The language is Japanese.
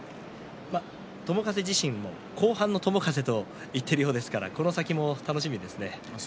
友風自身も後半の友風と言っているくらいですからこの先も楽しみですね。